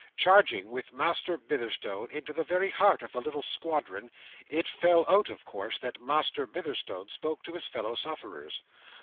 Charging with Master Bitherstone into the very heart of the little squadron, it fell out, of course, that Master Bitherstone spoke to his fellow sufferers.